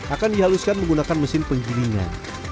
akan dihaluskan menggunakan mesin penggilingan